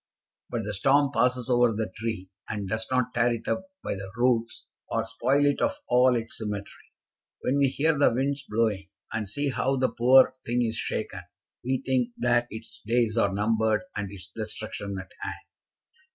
"But the storm passes over the tree and does not tear it up by the roots or spoil it of all its symmetry. When we hear the winds blowing, and see how the poor thing is shaken, we think that its days are numbered and its destruction at hand.